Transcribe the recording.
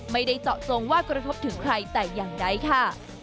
ไม่ได้เจาะจงว่ากระทบถึงใครแต่อย่างใดค่ะ